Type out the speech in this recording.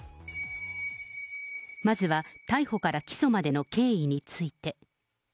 まずは逮捕から起訴までの経緯について。